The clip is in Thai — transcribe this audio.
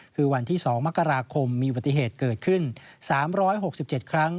คือวันที่๒มกราคมมีอุบัติเหตุเกิดขึ้น๓๖๗ครั้ง